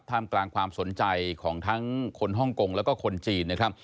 กลางความสนใจของทั้งคนฮ่องกงแล้วก็คนจีนนะครับ